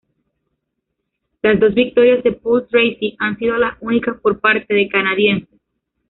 Las dos victorias de Paul Tracy han sido las únicas por parte de canadienses.